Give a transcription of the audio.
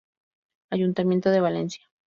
Ayuntamiento de Valencia.